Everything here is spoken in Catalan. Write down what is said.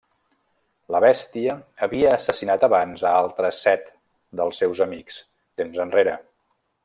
La bèstia havia assassinat abans a altres set dels seus amics temps enrere.